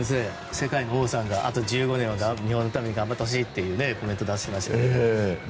世界の王さんがあと１５年は日本のために頑張ってほしいとコメントを出してましたけど。